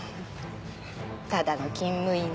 ただの勤務医ね。